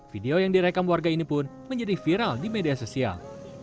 video yang direkam warga ini pun menjadi viral di media sosial